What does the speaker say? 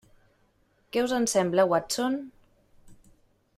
Què us en sembla, Watson?